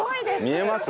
見えます？